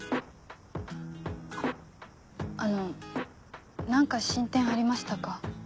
あの何か進展ありましたか？